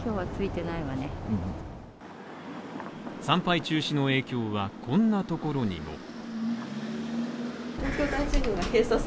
参拝中止の影響はこんなところにも。